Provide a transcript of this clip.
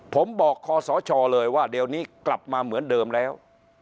ผมบอกคอสชเลยว่าเดี๋ยวนี้กลับมาเหมือนเดิมแล้ว